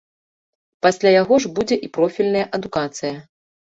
Пасля яго ж будзе і профільная адукацыя.